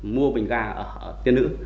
mua bình ga ở tiên nữ